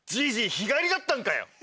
日帰りだったんかよ！